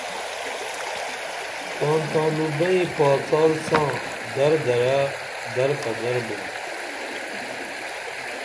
تان تانوں بئیں پاڅال ساں در درہ در پدر بُم